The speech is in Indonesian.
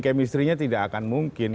kemistrinya tidak akan mungkin